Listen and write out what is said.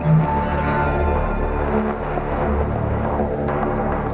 sekolah pelayaran negeri di bawah naungan kemenhub